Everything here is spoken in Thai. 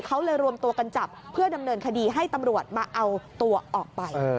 เขาเลยรวมตัวกันจับเพื่อดำเนินคดีให้ตำรวจมาเอาตัวออกไป